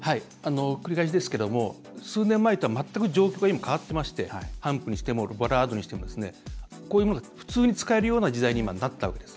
繰り返しですけれども数年前とは全く状況が変わっていましてハンプとしてもボラードにしてもこういうふうなものが普通に使える時代になったわけです。